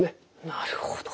なるほど。